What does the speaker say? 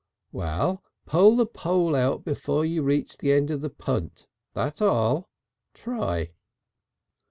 "Well pull the pole out before you reach the end of the punt, that's all. Try."